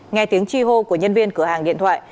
nghe tiếng chi hô của nhân viên cửa hàng điện thoại